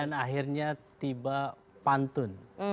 dan akhirnya tiba pantun